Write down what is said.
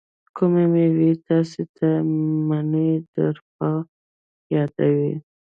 کومې میوې تاسې ته منی در په یادوي؟